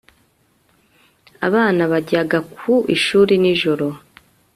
abana bajyaga ku ishuri nijoro